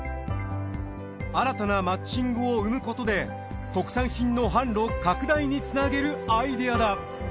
新たなマッチングを生むことで特産品の販路拡大につなげるアイデアだ。